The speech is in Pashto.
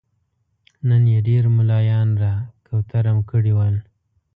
نن يې ډېر ملايان را کوترم کړي ول.